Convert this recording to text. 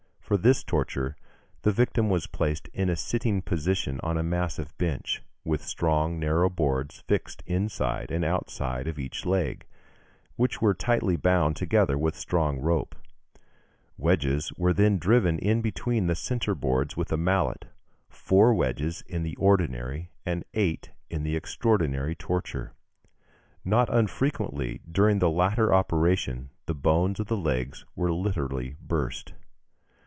For this torture, the victim was placed in a sitting posture on a massive bench, with strong narrow boards fixed inside and outside of each leg, which were tightly bound together with strong rope; wedges were then driven in between the centre boards with a mallet; four wedges in the ordinary and eight in the extraordinary torture. Not unfrequently during the latter operation the bones of the legs were literally burst.